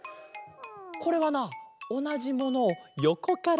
これはなおなじものをよこからみたかげだ。